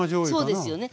そうですよね。